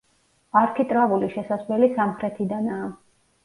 არქიტრავული შესასვლელი სამხრეთიდანაა.